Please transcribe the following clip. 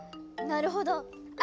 なるほど。